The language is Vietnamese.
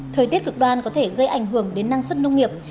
thời tiết cực đoan có thể gây ảnh hưởng đến năng suất nông nghiệp